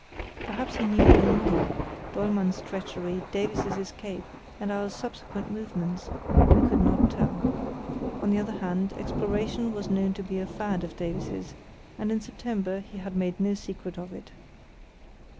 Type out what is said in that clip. Perhaps he knew even more—Dollmann's treachery, Davies's escape, and our subsequent movements—we could not tell. On the other hand, exploration was known to be a fad of Davies's, and in September he had made no secret of it.